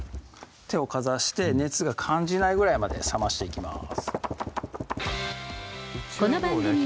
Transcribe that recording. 手をかざして熱が感じないぐらいまで冷ましていきます